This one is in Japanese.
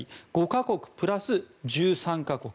５か国プラス１３か国。